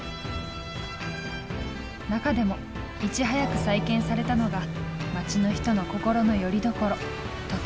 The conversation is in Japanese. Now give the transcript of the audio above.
中でもいち早く再建されたのが町の人の心のよりどころ時の鐘。